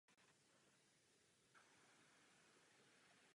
Samice vajíčka kladou obvykle dvakrát do roka.